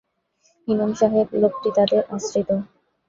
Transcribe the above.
ইমাম সাহেব লোকটি তাদের আশ্রিত।